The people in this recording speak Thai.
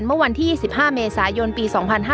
เมื่อวันที่๒๕เมษายนปี๒๕๕๙